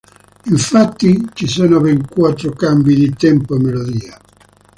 Infatti ci sono ben quattro cambi di tempo e melodia.